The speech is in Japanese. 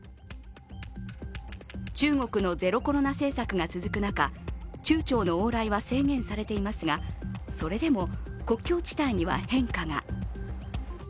中国のゼロコロナ政策が続く中、中朝の往来は制限されていますが、それでも国境地帯には変化が。